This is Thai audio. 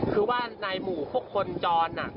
คือว่าในหมู่พวกคนจร